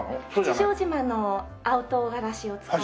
八丈島の青とうがらしを使ってます。